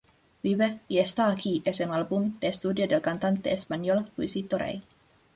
Vive...y está aquí es un álbum de estudio del cantante español Luisito Rey.